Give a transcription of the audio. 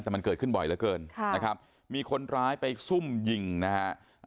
แต่มันเกิดขึ้นบ่อยเหลือเกินค่ะนะครับมีคนร้ายไปซุ่มยิงนะฮะ